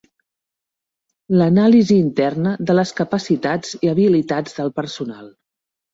L'anàlisi interna de les capacitats i habilitats del personal.